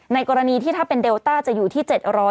กรณีที่ถ้าเป็นเดลต้าจะอยู่ที่๗๐๐